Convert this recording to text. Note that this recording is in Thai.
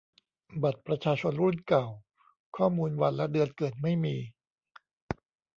บัตรประชาชนรุ่นเก่า ข้อมูลวันและเดือนเกิดไม่มี